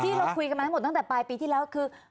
ที่เราคุยกันมาทั้งหมดตั้งแต่ปลายปีที่แล้วคือ